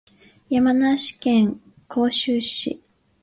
山梨県甲州市